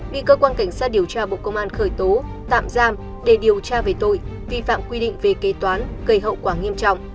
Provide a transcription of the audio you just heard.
bị cơ quan cảnh sát điều tra bộ công an khởi tố tạm giam để điều tra về tội vi phạm quy định về kế toán gây hậu quả nghiêm trọng